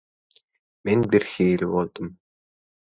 Men birhili boldum.